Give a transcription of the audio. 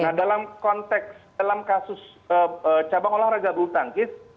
nah dalam konteks dalam kasus cabang olahraga brutangkis